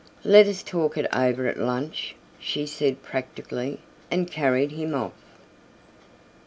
"Let us talk it over at lunch," she said practically, and carried him off.